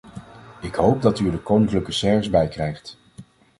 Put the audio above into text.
Ik hoop dat u er de koninklijke serres bij krijgt.